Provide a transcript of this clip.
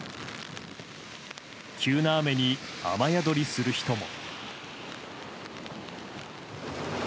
急な雨に雨宿りする人も。